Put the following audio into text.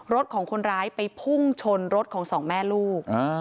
รถของคนร้ายไปพุ่งชนรถของสองแม่ลูก